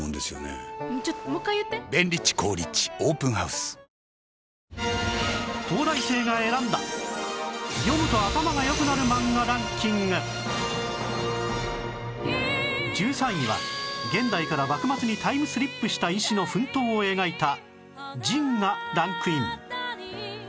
すこやかさつづけ薬用養命酒１３位は現代から幕末にタイムスリップした医師の奮闘を描いた『ＪＩＮ− 仁−』がランクイン